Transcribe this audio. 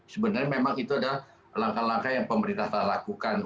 sebenarnya memang itu adalah langkah langkah yang pemerintah telah lakukan